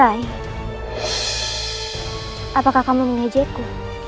rai apakah kamu ingin mengejeku